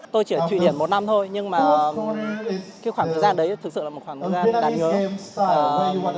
tôi chỉ ở thụy điển một năm thôi nhưng mà cái khoảng thời gian đấy thực sự là một khoảng đáng nhớ